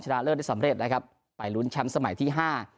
ชนะเลิศได้สำเร็จนะครับไปลุ้นชั้นสมัยที่๕